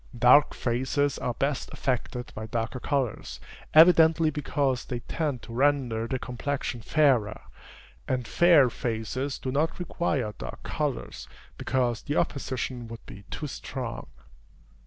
Dark faces are best affected by darker colors, evidently because they tend to render the complexion fairer; and fair faces do not require dark colors, because the opposition would be too strong.